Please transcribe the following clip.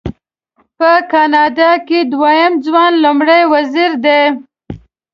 په کاناډا کې دویم ځوان لومړی وزیر دی.